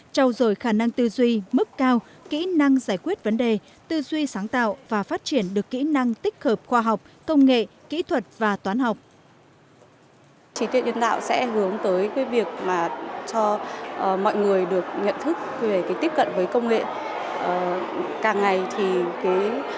chỉ tiết nhân tạo sẽ hướng tới việc cho mọi người được nhận thức về tiếp cận với công nghệ